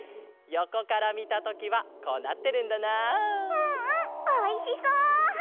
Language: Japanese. うんうんおいしそう！